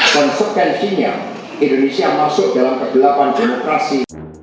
dan sekensinya indonesia masuk dalam kegelapan demokrasi